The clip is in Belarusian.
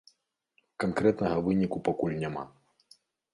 Канкрэтнага выніку пакуль няма.